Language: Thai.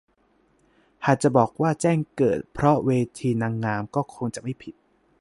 หากจะบอกว่าแจ้งเกิดเพราะเวทีนางงามก็คงจะไม่ผิด